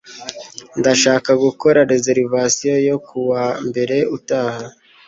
Ndashaka gukora reservation yo kuwa mbere utaha.